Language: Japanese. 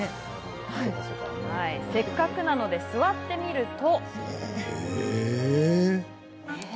せっかくなので座ってみると。